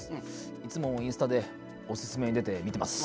いつもインスタでおすすめに出て見てます。